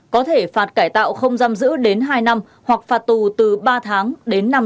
có thể phạt cải tạo không giam giữ đến hai năm hoặc phạt tù từ ba tháng đến năm năm tù